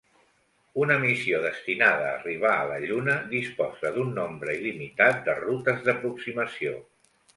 Una missió destinada a arribar a la Lluna disposa d'un nombre il·limitat de rutes d'aproximació.